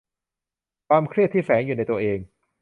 ความเครียดที่แฝงอยู่ในตัวเอง